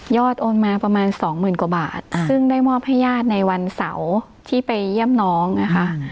โอนมาประมาณสองหมื่นกว่าบาทซึ่งได้มอบให้ญาติในวันเสาร์ที่ไปเยี่ยมน้องนะคะ